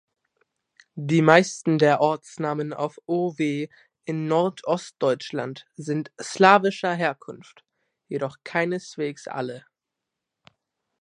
Die meisten der Ortsnamen auf -ow in Nordostdeutschland sind slawischer Herkunft, jedoch keineswegs alle.